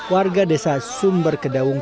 warga desa sumber kedawang